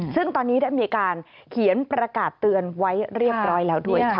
ซึ่งตอนนี้ได้มีการเขียนประกาศเตือนไว้เรียบร้อยแล้วด้วยค่ะ